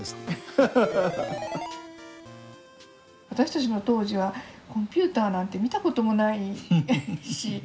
私たちの当時はコンピューターなんて見たこともないし。